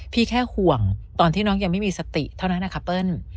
แค่ห่วงตอนที่น้องยังไม่มีสติเท่านั้นนะคะเปิ้ล